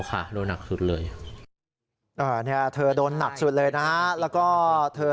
น่าจะมือเลยค่ะพี่